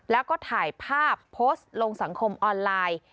แล้วก็ถ่ายภาพโพสต์ลงสังคมออนไลน์